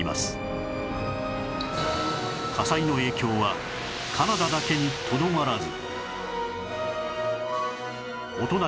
火災の影響はカナダだけにとどまらず